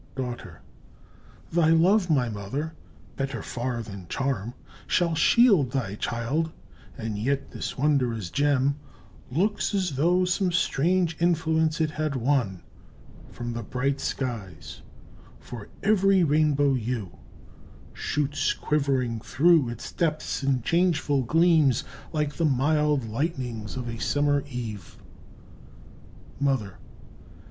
Daughter. Thy love, my mother, better far than charm, Shall shield thy child—and yet this wondrous gem Looks as though some strange influence it had won From the bright skies—for every rainbow hue Shoots quivering through its depths in changeful gleams, Like the mild lightnings of a summer eve. _Mother.